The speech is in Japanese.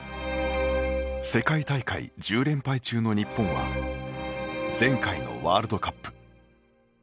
世界大会１０連敗中の日本は前回のワールドカップ。